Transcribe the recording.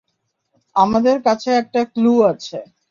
আমাদের কাছে একটা ক্লু আছে।